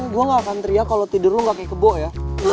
gue nggak akan teriak kalo tidur lo nggak kayak kebo ya